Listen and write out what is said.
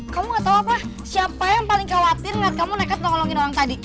kamu gak tau apa siapa yang paling khawatir melihat kamu nekat nolongin orang tadi